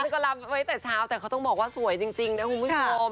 คือว่าสมนิสัยก็รับไว้แต่เช้าแต่เขาต้องบอกว่าสวยจริงนะคุณพี่โฟม